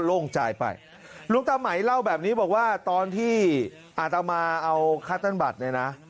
โล่งใจไปลุงตาไหมเล่าแบบนี้บอกว่าตอนที่อาตมาเอาคัตเติ้ลบัตรเนี่ยนะ